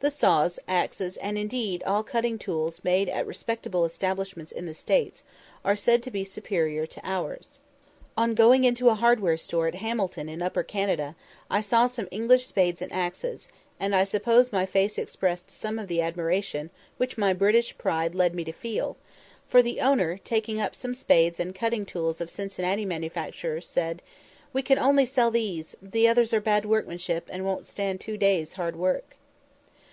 The saws, axes, and indeed all cutting tools made at respectable establishments in the States, are said to be superior to ours. On going into a hardware store at Hamilton in Upper Canada, I saw some English spades and axes, and I suppose my face expressed some of the admiration which my British pride led me to feel; for the owner, taking up some spades and cutting tools of Cincinnati manufacture, said, "We can only sell these; the others are bad workmanship, and won't stand two days' hard work."